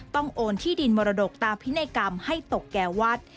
โอนที่ดินมรดกตามพินัยกรรมให้ตกแก่วัด